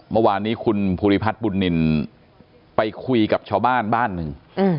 เมื่อวานนี้คุณภูริพัฒน์บุญนินไปคุยกับชาวบ้านบ้านหนึ่ง